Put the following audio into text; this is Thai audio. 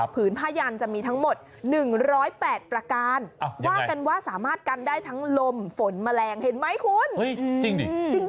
ผืนผ้ายันจะมีทั้งหมด๑๐๘ประการว่ากันว่าสามารถกันได้ทั้งลมฝนแมลงเห็นไหมคุณจริงดิจริง